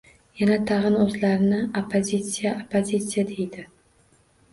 Yana-tag‘in, o‘zlarini: oppozitsiya, oppozitsiya, deydi.